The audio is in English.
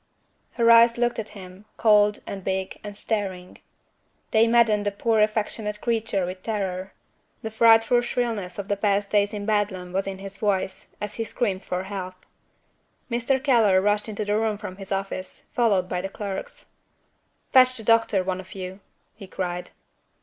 Her eyes looked at him, cold and big and staring. They maddened the poor affectionate creature with terror. The frightful shrillness of the past days in Bedlam was in his voice, as he screamed for help. Mr. Keller rushed into the room from his office, followed by the clerks. "Fetch the doctor, one of you," he cried.